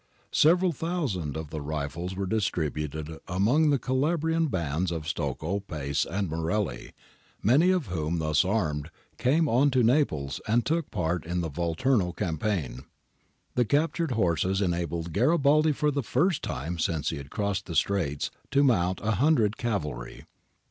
Several thousand of the rifles were distributed among the Calabrian bands of Stocco, Pace, and Morelli, many of whom, thus armed, came on to Naples and took part in the Volturno campaign. The captured horses enabled Garibaldi for the first time since he had crossed the Straits to mount a hundred cavalry.